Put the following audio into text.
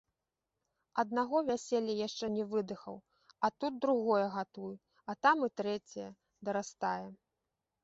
Аднаго вяселля яшчэ не выдыхаў, а тут другое гатуй, а там і трэцяе дарастае.